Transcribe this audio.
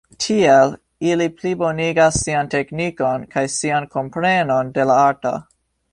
Tiel ili plibonigas sian teknikon kaj sian komprenon de la arto.